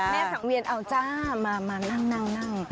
แม่สังเวียนเอ้าจ้ะมานั่ง